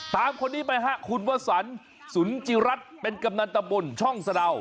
ตามคนนี้ไปฮะคุณวสันสุนจิรัตน์เป็นกำนันตะบนช่องสะดาว